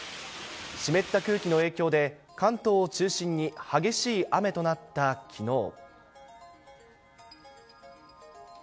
湿った空気の影響で、関東を中心に激しい雨となったきのう。